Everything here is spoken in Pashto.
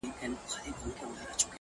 ستا په يادونو كي راتېره كړله ـ